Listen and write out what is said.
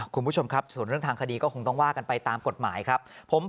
คุณผู้ชมครับส่วนเรื่องทางคดีก็คงต้องว่ากันไปตามกฎหมายครับ